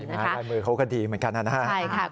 ได้มือคนดีเหมือนกันนะ